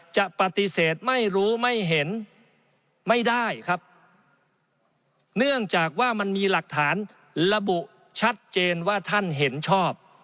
จะปฏิเสธไม่รู้ไม่เห็นไม่ได้ครับเนื่องจากว่ามันมีหลักฐานระบุชัดเจนว่าท่านเห็นชอบ